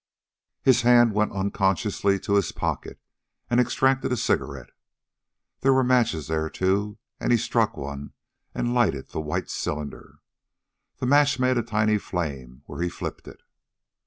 His hand went unconsciously to his pocket and extracted a cigarette. There were matches there, too, and he struck one and lighted the white cylinder. The match made a tiny flame where he flipped it.